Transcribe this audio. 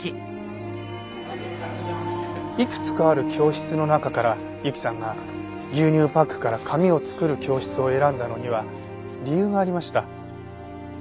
いくつかある教室の中から由紀さんが牛乳パックから紙を作る教室を選んだのには理由がありました。